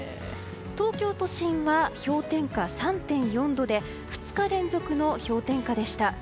東京都心は氷点下３．４度で２日連続の氷点下でした。